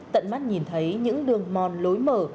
tận mắt nhìn thấy những đường mòn lối mở